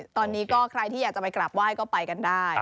ตอนนี้ก็ใครที่อยากจะไปกราบไหว้ก็ไปกันได้